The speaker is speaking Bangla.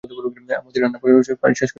মতি রান্না প্রায় শেষ করিয়া আনিয়াছিল।